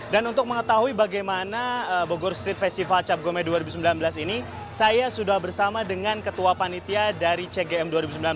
dan untuk mengetahui bagaimana bogor street festival cap gome dua ribu sembilan belas ini saya sudah bersama dengan ketua panitia dari cgm dua ribu sembilan belas